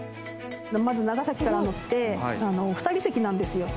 まず長崎から乗って２人席なんですよ